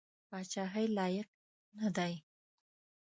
پاچهي لایق نه دی.